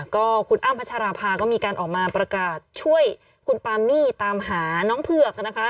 ก็คุณอ้ำพัชราภาก็มีการออกมาประกาศช่วยคุณปามี่ตามหาน้องเผือกนะคะ